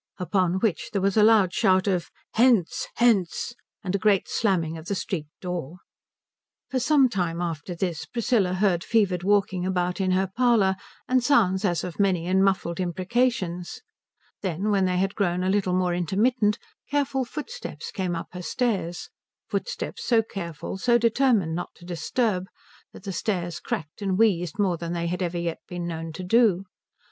Upon which there was a loud shout of "Hence! Hence!" and a great slamming of the street door. For some time after this Priscilla heard fevered walking about in her parlour and sounds as of many and muffled imprecations; then, when they had grown a little more intermittent, careful footsteps came up her stairs, footsteps so careful, so determined not to disturb, that the stairs cracked and wheezed more than they had ever yet been known to do.